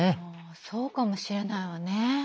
そうかもしれないわね。